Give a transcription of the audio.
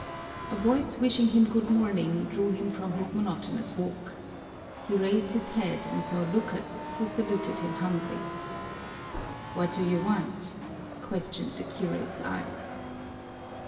A voice wishing him good morning drew him from his monotonous walk. He raised his head and saw Lucas, who saluted him humbly. "What do you want?" questioned the curate's eyes.